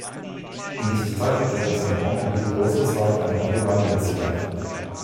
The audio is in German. In dieser Zeit lebte er bei seinem Onkel Willy Rosenzweig, einem Allgemeinmediziner.